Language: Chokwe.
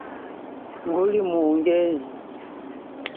Nguli mu ungeji.